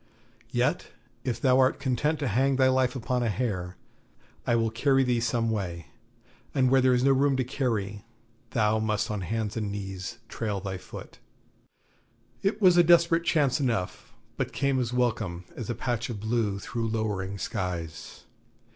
Yet, if thou art content to hang thy life upon a hair, I will carry thee some way; and where there is no room to carry, thou must down on hands and knees and trail thy foot.' It was a desperate chance enough, but came as welcome as a patch of blue through lowering skies.